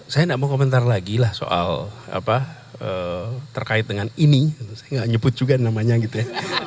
saya tidak mau komentar lagi lah soal terkait dengan ini saya tidak menyebut juga namanya gitu ya